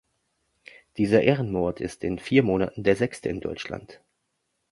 Dieser Ehrenmord ist in vier Monaten der sechste in Deutschland.